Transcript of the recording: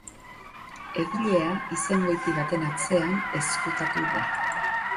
Egilea izengoiti baten atzean ezkutatu da.